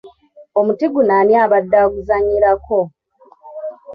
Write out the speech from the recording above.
Omuti guno ani abadde aguzannyirako?